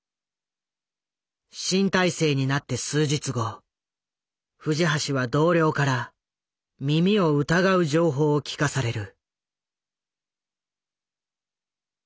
新体制になって数日後藤橋は同僚から耳を疑う情報を聞かされる。